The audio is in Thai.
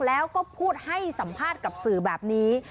แล้วก็พูดให้สัมภาษณ์กับสื่อแบบนี้